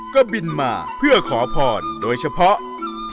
ก็บินมาเพื่อขอพรโดยเฉพาะ